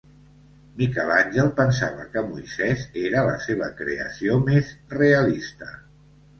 Miquel Àngel pensava que Moisés era la seva creació més realista.